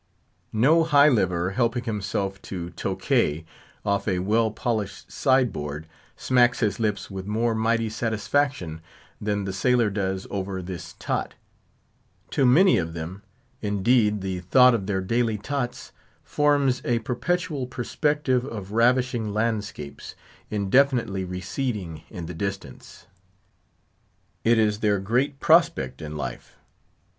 No high liver helping himself to Tokay off a well polished sideboard, smacks his lips with more mighty satisfaction than the sailor does over this tot. To many of them, indeed, the thought of their daily tots forms a perpetual perspective of ravishing landscapes, indefinitely receding in the distance. It is their great "prospect in life."